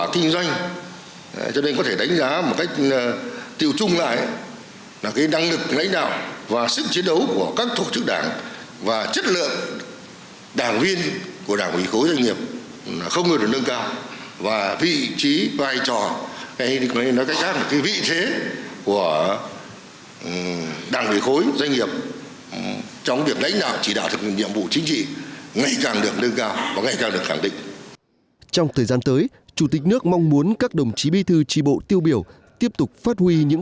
trong thời gian tới chủ tịch nước mong muốn các đồng chí bi thư tri bộ tiêu biểu tiếp tục phát huy những